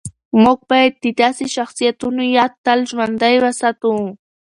موږ باید د داسې شخصیتونو یاد تل ژوندی وساتو.